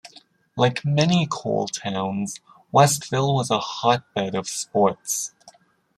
Like many coal towns Westville was a hotbed of sports.